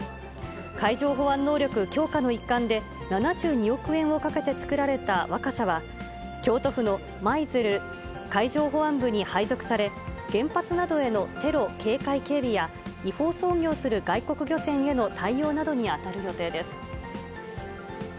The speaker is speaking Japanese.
海上保安能力強化の一環で、７２億円をかけて造られたわかさは、京都府の舞鶴海上保安部に配属され、原発などへのテロ警戒警備や、違法操業する外国漁船への対応などに当たる予定です。